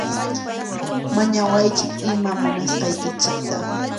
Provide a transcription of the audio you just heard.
Mañawaychik iman munasqaykichikta.